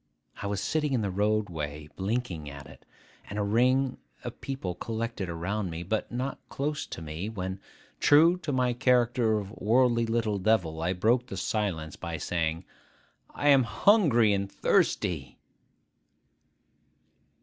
I was sitting in the road way, blinking at it, and at a ring of people collected around me, but not close to me, when, true to my character of worldly little devil, I broke silence by saying, 'I am hungry and thirsty!